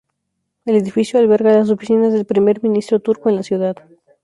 El edificio alberga las oficinas del primer ministro turco en la ciudad.